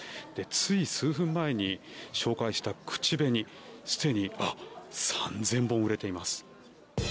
つい数分前に紹介した口紅すでに３０００本売れています。